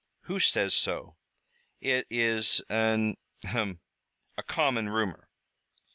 "Who says so?" "It is an ahem! a common rumor.